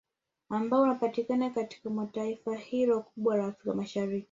Ambao unapatikana Katikati mwa taifa hilo kubwa kwa Afrika Mashariki